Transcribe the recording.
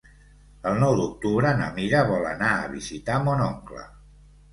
El nou d'octubre na Mira vol anar a visitar mon oncle.